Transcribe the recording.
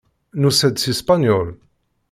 Nusa-d seg Spenyul.